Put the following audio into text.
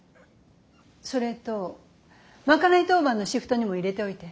それと賄い当番のシフトにも入れておいて。